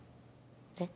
えっ？